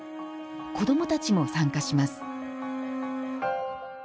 子どもたちも参加します。